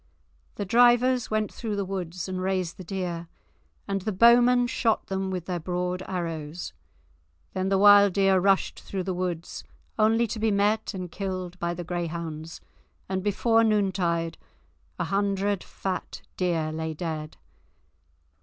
The drivers went through the woods and raised the deer, and the bowmen shot them with their broad arrows. Then the wild deer rushed through the woods, only to be met and killed by the greyhounds, and before noontide a hundred fat deer lay dead.